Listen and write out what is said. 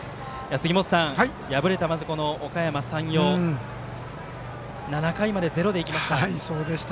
杉本さん、敗れたおかやま山陽７回までゼロでいきました。